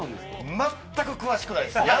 全く詳しくないです。